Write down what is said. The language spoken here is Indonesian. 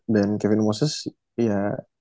dan kevin moses ya